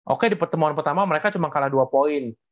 oke di pertemuan pertama mereka cuma kalah dua poin